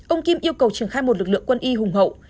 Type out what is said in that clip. ông kim yêu cầu triển khai một lực lượng quân y hùng hậu